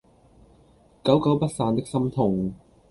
久久不散的心痛